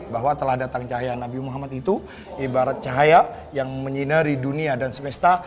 bahwa telah datang cahaya nabi muhammad itu ibarat cahaya yang menyinari dunia dan semesta